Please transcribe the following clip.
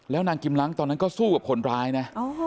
แล้วนางกิมล้างตอนนั้นก็สู้กับคนร้ายนะ